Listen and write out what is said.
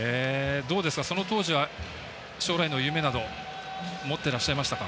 どうですかその当時は将来の夢などもってらっしゃいましたか？